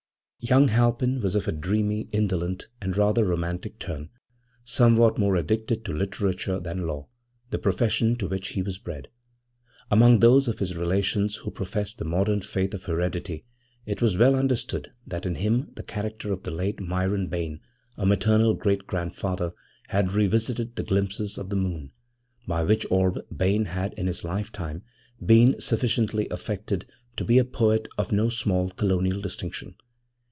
Young Halpin was of a dreamy, indolent and rather romantic turn, somewhat more addicted to literature than law, the profession to which he was bred. Among those of his relations who professed the modern faith of heredity it was well understood that in him the character of the late Myron Bayne, a maternal great grandfather, had revisited the glimpses of the moon by which orb Bayne had in his lifetime been sufficiently affected to be a poet of no small Colonial distinction.